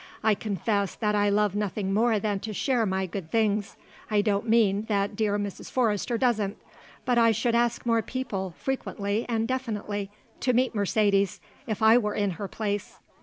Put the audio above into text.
I confess that I love nothing more than to share my good things. I don't mean that dear Mrs. Forrester doesn't; but I should ask more people, frequently and definitely, to meet Mercedes, if I were in her place."